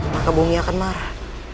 maka bumi akan marah